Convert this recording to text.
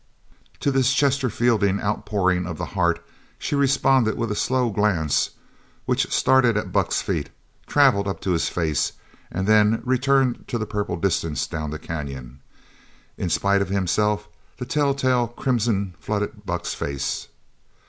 To this Chesterfieldian outpouring of the heart, she responded with a slow glance which started at Buck's feet, travelled up to his face, and then returned to the purple distance down the canyon. In spite of himself the tell tale crimson flooded Buck's face.